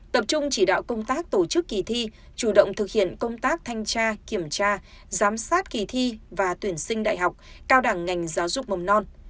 tập trung chỉ đạo công tác tổ chức kỳ thi chủ động thực hiện công tác thanh tra kiểm tra giám sát kỳ thi và tuyển sinh đại học cao đẳng ngành giáo dục mầm non